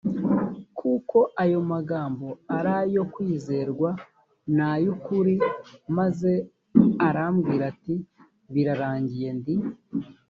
kuko ayo magambo ari ayo kwizerwa n ay ukuri maze arambwira ati birarangiye ndi